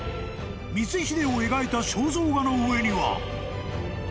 ［光秀を描いた肖像画の上には］